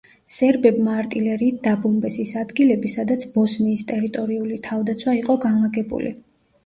სერბებმა არტილერიით დაბომბეს ის ადგილები, სადაც ბოსნიის ტერიტორიული თავდაცვა იყო განლაგებული.